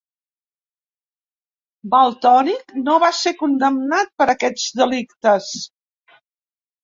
Valtònyc no va ser condemnat per aquests delictes.